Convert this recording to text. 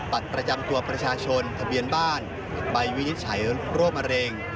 บัตรประจำตัวประชาชนทะเบียนบ้านใบวินิจฉัยโรคมะเร็ง